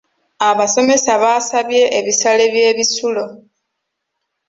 Abasomesa baasabye ebisale by'ebisulo.